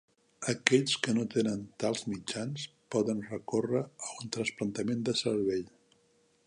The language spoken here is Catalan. Aquells que no tenen tals mitjans poden recórrer a un trasplantament de cervell.